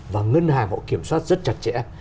và ngân hàng họ kiểm soát rất chặt chẽ